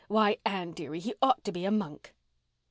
Why, Anne dearie, he ought to be a monk."